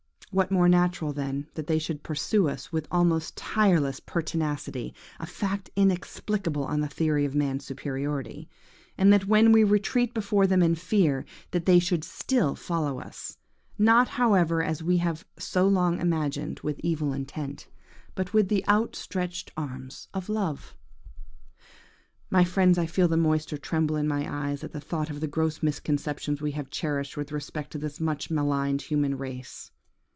What more natural, then, than that they should pursue us with almost tiresome pertinacity (a fact inexplicable on the theory of man's superiority), and that when we retreat before them in fear, they should still follow us; not, however, as we have for so long imagined, with evil intent, but with the outstretched arms of love? "My friends, I feel the moisture tremble in my eyes at the thought of the gross misconceptions we have cherished with respect to this much maligned human race.